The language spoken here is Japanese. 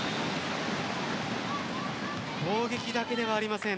攻撃だけではありません。